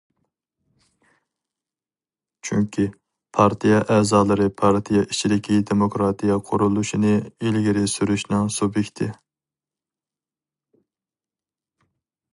چۈنكى، پارتىيە ئەزالىرى پارتىيە ئىچىدىكى دېموكراتىيە قۇرۇلۇشىنى ئىلگىرى سۈرۈشنىڭ سۇبيېكتى.